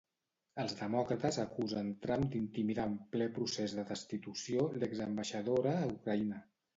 Els demòcrates acusen Trump d'intimidar en ple procés de destitució l'exambaixadora a Ucraïna.